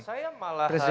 saya malah harus